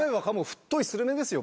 太いするめですよ